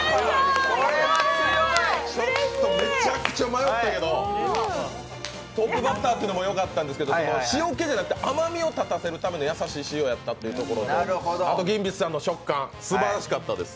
めちゃくちゃ迷ったけど、トップバッターっていうのも良かったんですけど塩気じゃなくて甘みを立たせるための優しい塩やったというところとあとギンビスさんの食感、すばらしかったです。